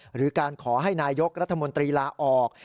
หรือการขอให้นายกรัฐมนตรีลาออก